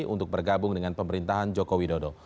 untuk bergabung dengan pemerintahan joko widodo